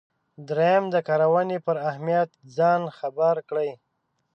دریم د کارونې پر اهمیت ځان خبر کړئ.